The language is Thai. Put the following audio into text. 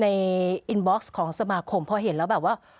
ในอินบ็อกซ์ของสมาคมพอเห็นแล้วแบบว่า